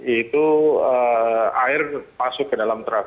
itu air masuk ke dalam trust